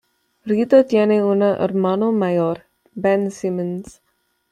Rita tiene un hermano mayor, Ben Simons.